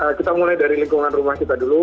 nah kita mulai dari lingkungan rumah kita dulu